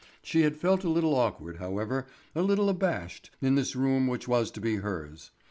She had felt a little awkward, however, a little abashed, in this room which was to be hers.